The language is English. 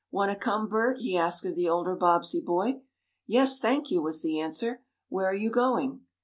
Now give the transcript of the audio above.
"Want to come, Bert?" he asked of the older Bobbsey boy. "Yes, thank you," was the answer. "Where are you going?"